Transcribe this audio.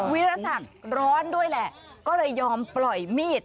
วิรสักร้อนด้วยแหละก็เลยยอมปล่อยมีด